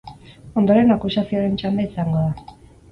Ondoren akusazioaren txanda izango da.